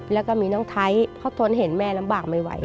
แล้วก็มีน้องไทยเขาทนเห็นแม่ลำบากไม่ไหว